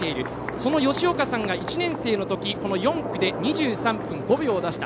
その吉岡さんが１年生の時この４区で２３分５秒を出した。